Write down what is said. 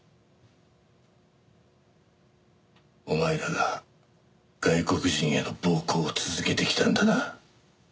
お前らが外国人への暴行を続けてきたんだな。